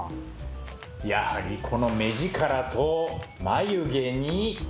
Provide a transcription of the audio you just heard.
やはりこの目力と眉毛に。